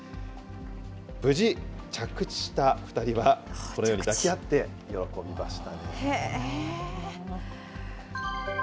無事、着地した２人はこのように抱き合って喜びました。